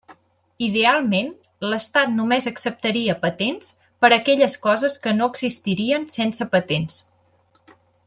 Idealment, l'estat només acceptaria patents per a aquelles coses que no existirien sense patents.